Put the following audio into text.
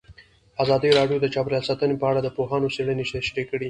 ازادي راډیو د چاپیریال ساتنه په اړه د پوهانو څېړنې تشریح کړې.